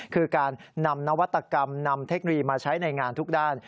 คือการนำนวัตกรรมนำเทคโนโลยีมาใช้ในงานทุกด้าน